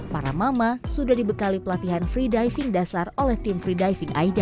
para mama sudah dibekali pelatihan free diving dasar oleh tim free diving aida